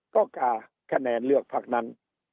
ก็กาคะแนนเลือกพักนั้น